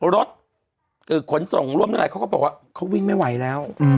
รถคือขนส่งร่วมทั้งหลายเขาก็บอกว่าเขาวิ่งไม่ไหวแล้วอืม